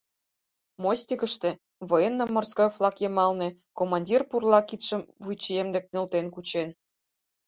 Мостикыште, военно-морской флаг йымалне, командир пурла кидшым вуйчием дек нӧлтен кучен.